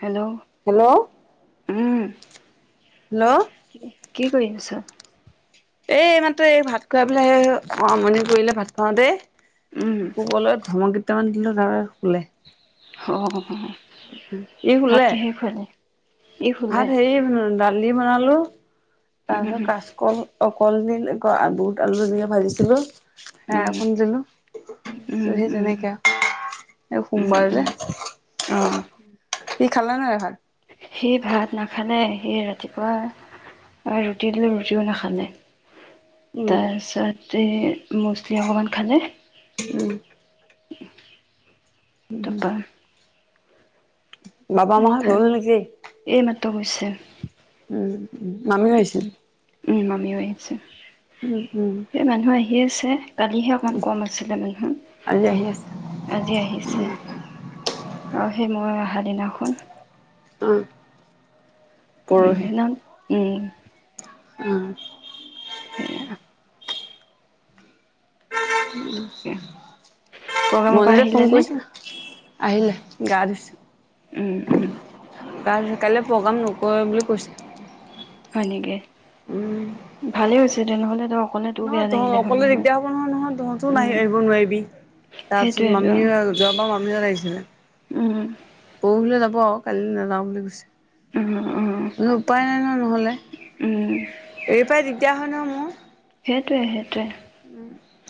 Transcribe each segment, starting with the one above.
Hello hello. উম। Hello কি কৰি আছ? এই, এইমাত্ৰ এই ভাত খুৱাই পেলাই আমনি কৰিলে ভাত খোৱাও তেই উম শুবলৈ ধমকী কেইটামান দিলো তাপা শুলে। অ', অ' ই, শুলে? ই শুলে ভাত হেৰি দালি বনালো উম তাৰছত কাচকল অক কলদিল [unintelligible] আলু দিয়ে ভাজিছিলো, সেয়া উম অকন দিলো উম সেই উম তেনেকে এই উম সোমবাৰ যে উম অ ই, খালে নে নাই ভাত? সি ভাত নাখালে, সি ৰাতিপুৱা ৰুটি দিলো ৰুটিও নাখালে উম তাছতে [unintelligible] অকমান খালে উম। উম, হম। তাৰপা বাবা, মাহঁত [unintelligible] ত' গৈছে উম, উম। মামিয়ো আহিছিল? উম, মামীও আহিছে। উম, উম। হিছে কালিহে অকমান কম আছিলে মানুহ, আজি আহি আছে। আজি আহিছে। অহ এই মই অহা দিনাখোন অ' উম, পৰহি সেইনা উম অ' সেয়া [inaudible] প্ৰগ্ৰামৰ পৰা [unintelligible] আহিলে ফোন নে? কৰিছিল, আহিলে, গা উম, ধুইছে। উম, গা ধুৱা কাইলৈ প্ৰগ্ৰাম নকৰে বুলি কৈছে। হয় নেকি? উম ভালে হৈছে [inaudible] নহয় বেয়া তহঁ লাগিলে হয় অকলে দিগদাৰ হব নহয় নহয়, তহঁতো নাহি উম, আহিব নোৱাৰিবি, তাৰপিছত সেইটোৱেটো মামী, যোৱাবাৰ মামীহঁত আহিছিলে, উম, পৰহিলৈ যাব আও। কাইলে নাযাওঁ বুলি উম, উম, কৈছে। উপায় নাই ন নহলে, উম, এইৰ পাই দিগদাৰ হয় নহয়‌ মোৰ সেইটোৱে, সেইটোৱে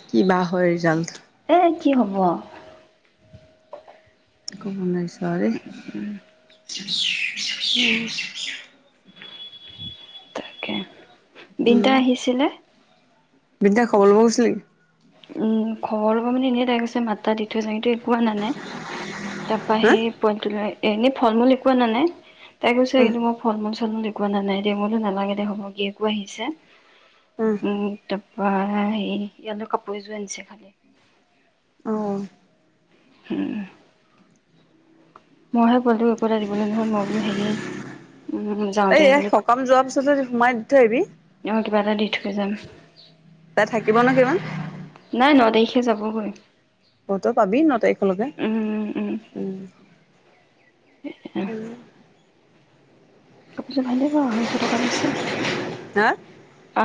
কি বা হয়, ৰিজাল্ট এ, কি হ'ব আউ [unintelligible] [unintelligible] উম। বিনতা আহিছিলে বিনিতা খবৰ ল'ব গৈছিল নি উম, খবৰ ল'ব মানে এনেই তাই গৈছে মাত‌ এটা দি থৈ যাওঁ‌ [unintelligible] কো আনা তাৰ পা হা সেই পোৱালীটো লৈ এনেই ফল মূল একো আনা নাই তাই কৈছে অহ কিন্ত মই ফল মূল, চল মূল এক কো আনা দেই, মই বোলো নালাগে দে হ'ব, গিয়েকো আহিছে। উম, ত [unintelligible] কাপোৰ এযোৰ আনিছে খালি অহ হম। মইহে পল তো একো এটা দিবলৈ নহল মই বোলো হেৰি উম, যাওঁতে এই এ বোলো সকাম যোৱাৰ পিছত সোমাই দি থ আহিবি উঠ যাম তাই থাকিব ন কিমান নাই ন তাৰিখে যাবগৈ ভোটৰ পাবি ন তাৰিখলৈকে? উম, উম! এ হা কাপোৰযোৰ ভালেই বাৰু, আঢ়ৈশ টকা লৈছে।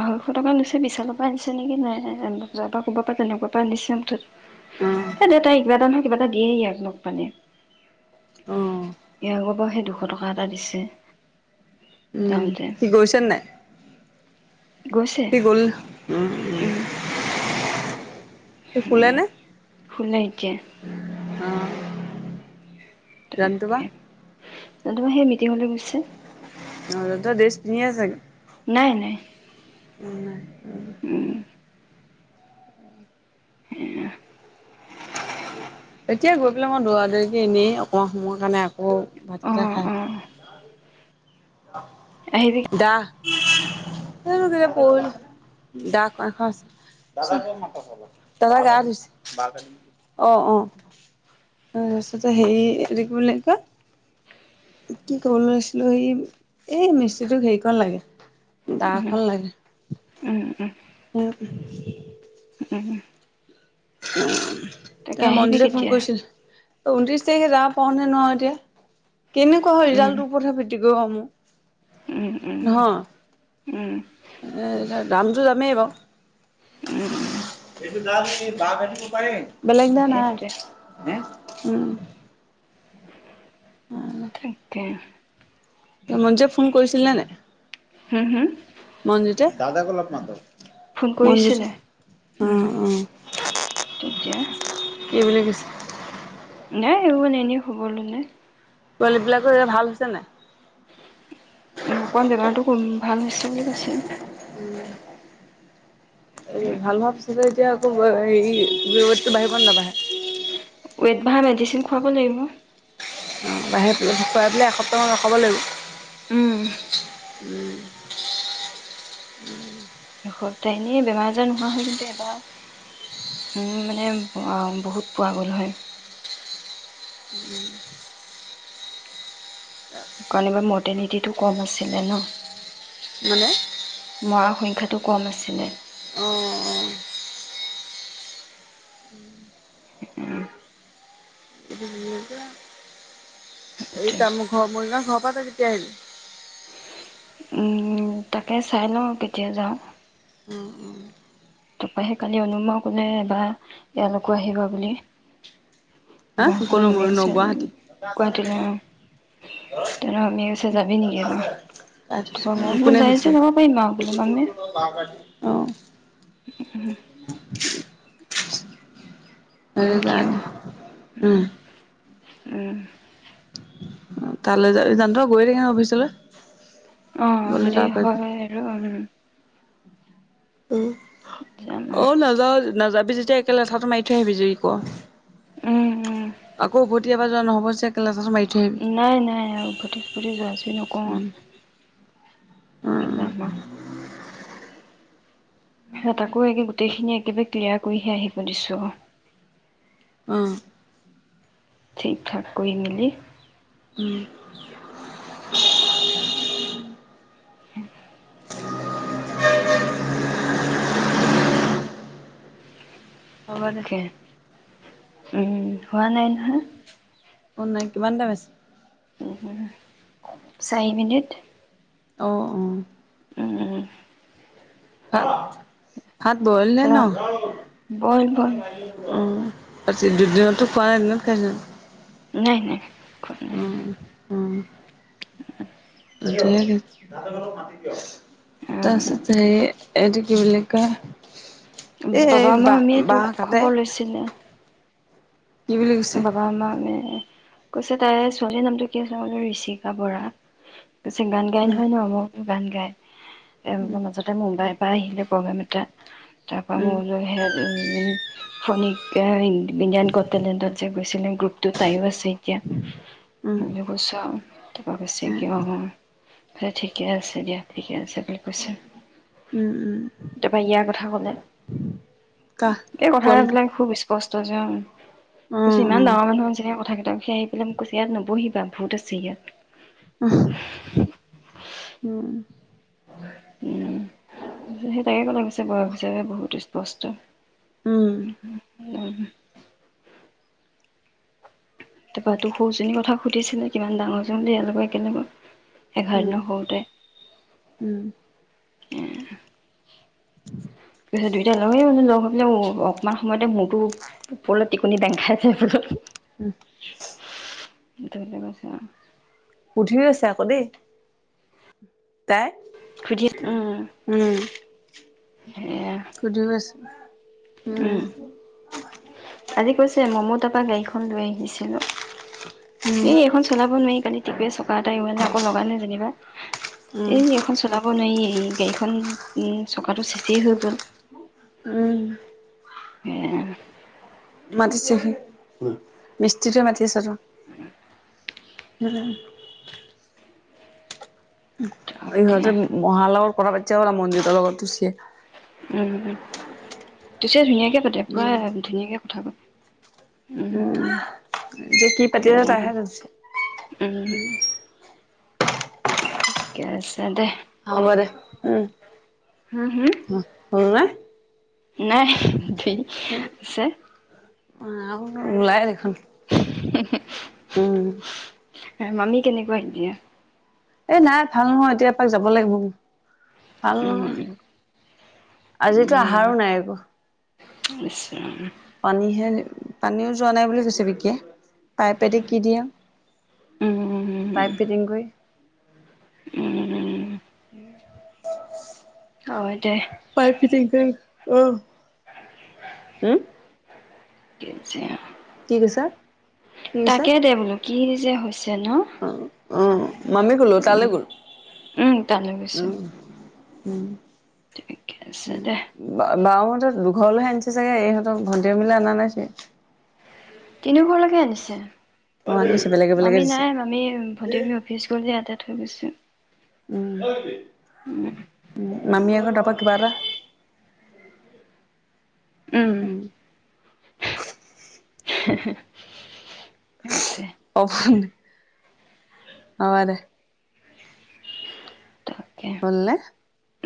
আঢ়ৈশ টকা লৈছে বিছালৰ পৰা আনিছে নেকি নে বজাৰৰ পৰা ক'ৰবা পৰা তেনেকুৱা পৰা আনিছে অ মুঠতে। এ দেউতাই কিবা এটা নহয় কিবা দিয়ে এইয়াক লগ পালে অ উম ই আগৰ পৰা সেই দুখ দুশ টকা এটা দিছে। উম! যাওঁতে সি গৈছেনে নাই? গৈছে সি গ'ল। উ উ শুলে এতিয়া। অহ [unintelligible] জানটো বা চন্দ্ৰিমা সেই মিটিঙলৈ গৈছে। ত' ড্ৰেছ পিন্ধিছে আ চাগে। নাই নাই। উনাই উ উম, সেইয়া এতিয়া গৈ পেলাই মই দৌৰা দেৰিকে এনেই অকমান সময়ৰ কাৰণে কো ভাতকিটা অ', অ', খাই। আহিবি দাহ। কেতিয়া পল দা ম দাদা গা ধুইছে [unintelligible] অ', অ', তাৰপিছতে হেৰি হেৰি এইটো কি বুলি কয়। কি ক'বলে লৈছিলো সি এই মিস্ত্ৰীটোক হেৰিকণ লাগে। দা উম, খন লাগে। উম উম উম উম উম [inaudible] তাকে ত আহিবি মনজিতে ফোন কেতিয়া কৰিছিল। ঊনত্ৰিশ তাৰিখে যাব পাৰো নে নোৱাৰো এতিয়া! কেনেকুৱা হয় উম ৰিজাল্টটোৰ ওপৰত হে ভিত্তি কৰিব মোৰ, [inaudible] উম উম। নহয় উম এ এতিয়া দামটো দামেই বাৰু, উম উ [unintelligible] পাৰিম? বেলেগ না নাই সেইটোৱে উম তাকে মন যে ফোন কৰিছিল নে নাই হম হম দাদাকো লগপম ফোন কৰিছিলে উম অ তেতিয়া কিবোলি কৈছে নাই এইমান এনেই খ'বৰ ল'লে পোৱালী বিলাকো এয়া ভাল হৈছে নাই উ অকমান জানাটো কম ভাল হৈছে বুলি কৈছে এই ভাল ভাবছ এতিয়া ৰ'দটো বাঢ়িব নে নাবাঢ়ে ৱেট ভাৰ মেডিচিন খুৱাব লাগিব বাহি প খুৱাই পেলাই এসপ্তাহমান ৰখাব লাগিব উম সপ্তাহ এনেই বেমাৰ আজাৰ নোহোৱা হয় কিন্তু এবাৰ মানে বহুত পোৱা গ'ল হয় উম কালিমাণ মৰ্টেলিটিটো কম আছিলে ন মানে মৰাণ সংখ্যাটো কম আছিলে অ অ আহ এইটো কি বুলি কয় এই সেইটোৱে ত মোৰ ঘৰ মৰি না ঘৰ ক তই কেতিয়া আহিবি উম তাকে চাই লওঁ কেতিয়া যাওঁ অ অ তপৰাাহে কালি অনুম কলে এবাৰ ইয়ালকো আহিবা বুলি হ কো গুৱাহাটীলৈ মোৰ মামীয়ে ন কৈছে গুৱাহাটীলৈ অ'। তাৰপৰা মামীয়ে কৈছে যাবি নেকি এবাৰ? গুৱাহাটী তাৰপৰা মই বোলো কোনো যাই যদি সুধিছে যাব পাৰিম আৰু বোলো মামী আহ [unintelligible] [unintelligible] অ মানে কাৰানে উম আহ তালৈ য যানত গৈ থাকি ন অফিচলৈ অ', গ'লে যদি যাব পাৰিবি। হয়, আৰু উম। উ, যাম আৰু অ', নাযাওঁ, নাযান বিজু তাই একে লেথাটো মাৰি থৈ আহিবি উম, উম। [unintelligible] আকৌ উভটি কেতিয়াৱা নহ'বয়ে যে, [unintelligible] আহিবি। নাই, নাই উম, [unintelligible] উম, উম, [unintelligible] হে তাকো একে গোটেইখিনি এক একেবাৰে ক্লিয়াৰ কৰিহে আহিব দিছোঁ। অহ। ঠিক, ঠাক কৰি মেলি উম। [unintelligible] [inaudible] হ'ব দে। উম, হোৱা নাই‌ নহয় অ', নাই কিমান টাইম উম, হম, চায়ি মিনিট অ', অ'। উম, [unintelligible] ভাত বইল নে তৰা ন। বল বল উম আজি দুদিনতো খোৱা নাই, দিনত খাইছ জানো? নাই, নাই খোৱা নাই। [inaudible] কিহেৰে খাইছ? তাৰ পিছত হেৰি এইটো কি বুলি কয় এই এই বাবা মামা বাঁহ মামিয়ে বাঁহ তোৰ কাটে খবৰ লৈছিলে। কি বুলি কৈছে বাবা মামা মামিয়ে কৈছে তাইৰ ছোৱালীৰ নামটো কি আছিলে? মই বেলো ঋষিকা বৰা। বেছি গান গায় উম, নহয় ন মোৰ গান গায়। উম, এই মাজতে মুম্বাই বা আহিলে প্ৰগ্ৰেম এটা। তাৰপৰা মই উম, বোলো হে উ ফনিক। কে বিজান কতলে ত গৈছিলে গ্ৰুপতো তায়ও আছে তি উম, মৈছো ত কৈছে উম, ক ঠিকে আছে দিয়া ঠিকে আছে বকৈচোন উম, উম, তাৰাপা ইয়াৰ কথা কলে কাহ এই পোৱালিটো কথাবিলাক খুব কসু যে অ', কিছুমান অ', লৰা মানুহৰ নিচিনা থাকে ত সাহি ফলম কো সিয়াত ন বহিবা ভূত আছে ইিয়াত উম উম সেই তাকে লাগিছে বয়স হিচাপ বহুত সষ্ট উম, উ [inaudible] তাৰপৰা তো সৰুজনীৰ কথা সুধিছিলে কিমান ডাঙৰজন বুলি এক লগে একেলগে এঘাৰ ন হওঁতে উম। উ [unintelligible] তত দুয়োটা লগ হৈই মান লগ হৈ পেলাই অকপমান সময়তে মৰটোো ওপৰলৈ টিকুনি বেং খাই যায় বলত ধয় কৈছে পুধি আছে আকৌ দেই তাই খুধ উম উম, সেয়া সুধিও গৈছো ন উম আজি কৈছে মই মো তাৰপা গাড়ীখন লৈ আহিছিলো উম, এই এখন চলাব নোৱাৰি কালি গোটেই চকা এটা ইমানে আকৌ লগা নাই যেনিবা এ উম। এখন চলাব নোৱাৰি এই গাড়খন চকাটো চেছে হবল উম স মাতিছেহি মিস্ত্ৰীটো মাতি আছ আৰু উ উমম তাকে ইহঁতে মহালওৰ কৰা বা হা মন্দিৰৰ লগত তু [unintelligible] উম তছে ধুনীয়া কে পুৰা উম ধুনীয়াকে কথা ক উম যে কি পাতি আছে তাইহে উম জছে ছে দে অৰে হম হম উম হ নাই আছে অ ওলাই দেখোন হহু উম মামি কেনেকুৱা এ দিয়ে এ নাই ভাল নহয় এতিয়াপাক যাব লাগিব ভাল নহয় উম আজিতো অহাৰো নাই একো নি্চয় [unintelligible] পানীহে পানীও যোৱা নাই বুলি কৈছে বিকে পাই পেট কি দিয়া উম পাইপ পেটং কৰিৈ উম উম উম অ দে পাই ফিটিং আহ হম কছে ঠিক আছা তাকে দে বোলো কি যহজ অ অ মামি গ'লো তালৈ উম গ'লো উম তালৈ উ গৈছো উম ঠিকে আছে দে নামন সিহত দুঘৰলৈ আনিছে চাগে ইহঁতৰ ভণ্টিয় মিলা অনা নাইছিল তিনি ঘৰলৈকে আনিছে অ', আনিছে বেলেগে বেলেগে মামি দিছে। নাই মামি ভণ্টী অফিচ গলে [unintelligible] তে ঠ বেছে উ উ নামি আগৰ তপা এক বাৰ উম সেইটোৱে। অ', দে তাকে হলনে?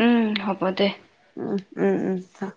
উম হ'ব দে। উম- উম- উম- অহ